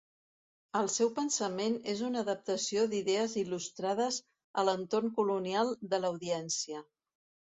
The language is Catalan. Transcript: El seu pensament és una adaptació d'idees il·lustrades a l'entorn colonial de l'Audiència.